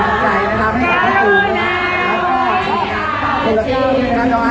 เราจะมีในส่วนของฐานออกมาจากจุดนี้ด้วยนะครับ